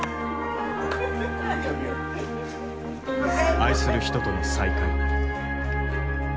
愛する人との再会。